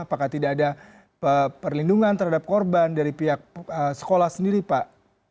apakah tidak ada perlindungan terhadap korban dari pihak sekolah sendiri pak